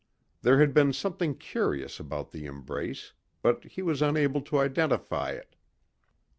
There had been something curious about the embrace but he was unable to identify it.